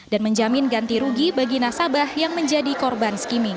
dan menjamin ganti rugi bagi nasabah yang menjadi korban skimming